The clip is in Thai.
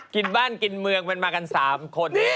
กินบ้านกินเมืองมันมากัน๓คน